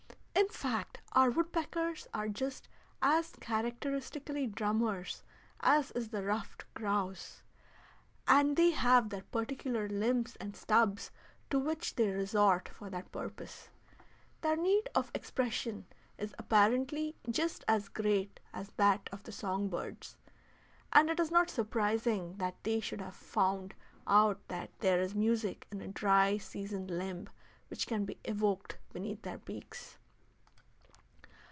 In fact, our woodpeckers are just as characteristically drummers as is the ruffed grouse, and they have their particular limbs and stubs to which they resort for that purpose. Their need of expression is apparently just as great as that of the song birds, and it is not surprising that they should have found out that there is music in a dry, seasoned limb which can be evoked beneath their beaks.